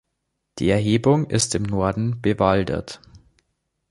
Die Erhebung ist im Norden bewaldet.